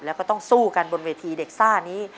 แล้วก็ต้องสู้กันบนเวทีเด็กซ่านี้